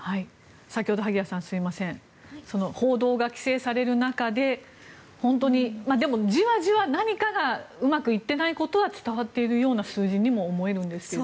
先ほど、萩谷さん報道が規制される中でじわじわ、何かがうまくいっていないことは伝わっているような数字には見えるんですが。